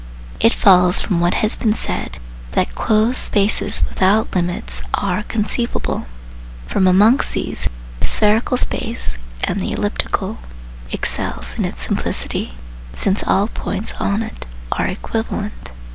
It follows from what has been said, that closed spaces without limits are conceivable. From amongst these, the spherical space (and the elliptical) excels in its simplicity, since all points on it are equivalent.